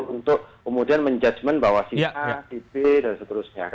untuk kemudian menjudgemen bahwa sifat ipb dan seterusnya